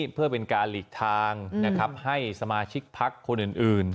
เพื่อเป็นการหลีกทางให้สมาชิกพักคนอื่น